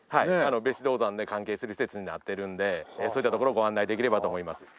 別子銅山で関係する施設になっているんでそういったところをご案内できればと思います。